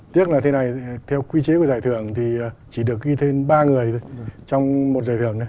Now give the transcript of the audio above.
tiếc là thế này theo quy chế của giải thưởng thì chỉ được ghi thêm ba người thôi trong một giải thưởng này